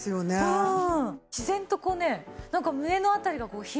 うん。